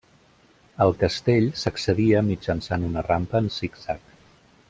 Al castell s'accedia mitjançant una rampa en zig-zag.